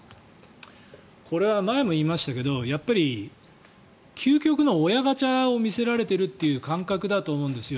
これは前も言いましたけどやっぱり究極の親ガチャを見せられてるって感覚だと思うんですよ。